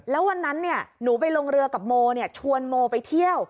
แล้ววันนั้นหนูไปลงเรือกับโมชวนโมไปเที่ยว